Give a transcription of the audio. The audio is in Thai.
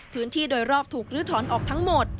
พื้นที่โดยรอบถูกลื้อถอนออกทั้งหมด